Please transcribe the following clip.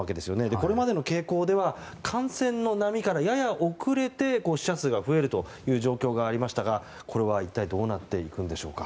これまでの傾向では感染の波からやや遅れて死者数が増えるという状況がありましたがこれは一体どうなっていくんでしょうか。